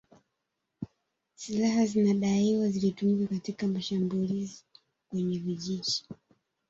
Silaha zinadaiwa zilitumika katika mashambulizi kwenye vijiji